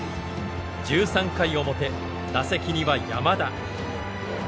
１３回表打席には山田。